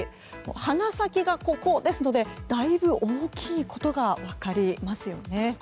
鼻先がここですのでだいぶ大きいことが分かります。